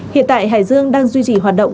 hiện tại hải dương đang duy trì hoạt động